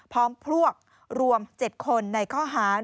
พร้อมพวกรวม๗คนในข้อหาร